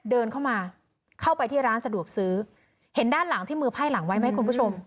เดินเข้ามาเข้าไปที่ร้านสะดวกซื้อเห็นด้านหลังที่มือไพ่หลังไว้ไหมคุณผู้ชม